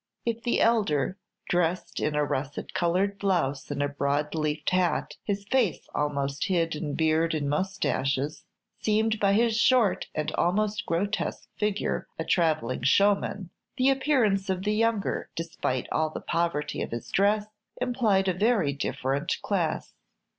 If the elder, dressed in a russet colored blouse and a broad leafed hat, his face almost hid in beard and moustaches, seemed by his short and almost grotesque figure a travelling showman, the appearance of the younger, despite all the poverty of his dress, implied a very different class.